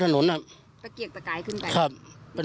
นี่อ่ะครับ